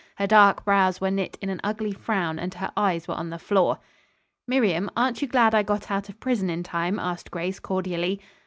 Her dark brows were knit in an ugly frown and her eyes were on the floor. "Miriam, aren't you glad I got out of prison in time?" asked Grace cordially.